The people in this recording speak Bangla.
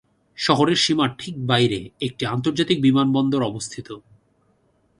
শহরের সীমার ঠিক বাইরে একটি আন্তর্জাতিক বিমানবন্দর অবস্থিত।